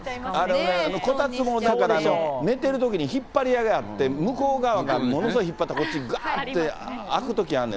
こたつの中で寝てるときに引っ張りやがって、向こう側からものすごい引っ張ったら、こっち、がーって空くときあんねん。